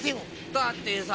だってさ